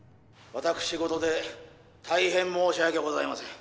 「私ごとで大変申し訳ございません」